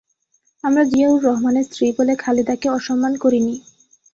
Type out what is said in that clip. আমরা জিয়াউর রহমানের স্ত্রী বলে খালেদাকে অসম্মান করিনি।